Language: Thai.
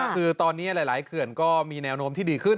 คือตอนนี้หลายเขื่อนก็มีแนวโน้มที่ดีขึ้น